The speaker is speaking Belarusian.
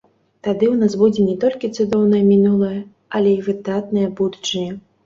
Тады ў нас будзе не толькі цудоўнае мінулае, але і выдатная будучыня.